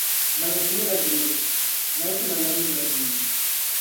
Maligu nyɛla dimli, mali ti ma lan nyɛla dimli.